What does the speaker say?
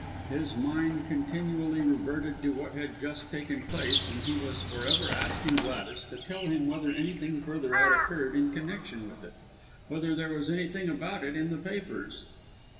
His mind continually reverted to what had just taken place, and he was for ever asking Gladys to tell him whether anything further had occurred in connection with it, whether there was anything about it in the papers.